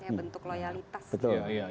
ya bentuk loyalitas